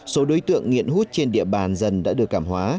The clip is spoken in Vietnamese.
số đối tượng nghiện hút trên địa bàn dần đã được cảm hóa